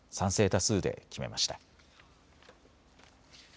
多数で決めました。